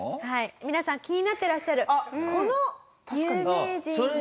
皆さん気になってらっしゃるこの有名人が。